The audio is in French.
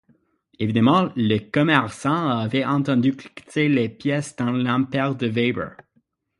Évidemment, le commerçant avait entendu cliqueter les pièces dans l’imper de Weber.